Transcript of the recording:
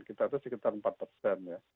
kita itu sekitar empat persen ya